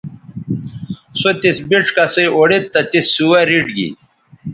سو تس بِڇ کسئ اوڑید تہ تس سوہ ریٹ گی